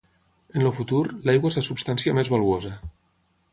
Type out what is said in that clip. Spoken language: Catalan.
En el futur, l'aigua és la substància més valuosa.